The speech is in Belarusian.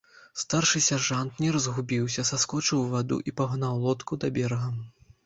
Старшы сяржант не разгубіўся, саскочыў у ваду і пагнаў лодку да берага.